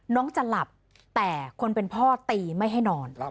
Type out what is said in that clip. น้องจะหลับแต่คนเป็นพ่อตีไม่ให้นอน